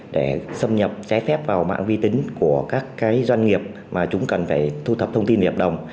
để xâm nhập trái phép vào mạng vi tính của các doanh nghiệp mà chúng cần phải thu thập thông tin hợp đồng